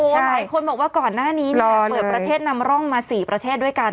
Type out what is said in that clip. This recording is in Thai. หลายคนบอกว่าก่อนหน้านี้เนี่ยเปิดประเทศนำร่องมา๔ประเทศด้วยกัน